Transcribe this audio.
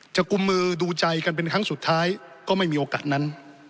กุมมือดูใจกันเป็นครั้งสุดท้ายก็ไม่มีโอกาสนั้น